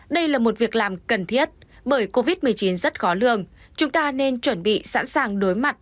đây là một việc làm cần thiết bởi covid một mươi chín rất khó lường chúng ta nên chuẩn bị sẵn sàng đối mặt